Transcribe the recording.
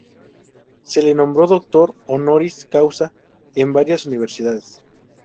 Se le nombró doctor "honoris causa" en varias universidades.